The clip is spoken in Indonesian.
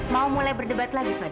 mau mulai berdebat lagi pak